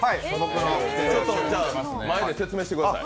じゃあ、前で説明してください。